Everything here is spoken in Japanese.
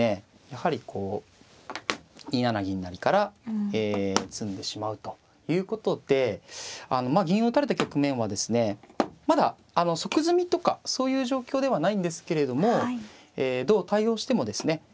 やはりこう２七銀成から詰んでしまうということでまあ銀を打たれた局面はですねまだ即詰みとかそういう状況ではないんですけれどもどう対応してもですね